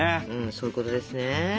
そういうことですね。